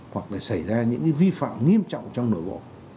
hoặc để xảy ra những vi phạm nghiêm trọng trong nội bộ